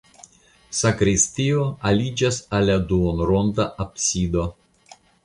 Sakristio aliĝas al la duonronda absido.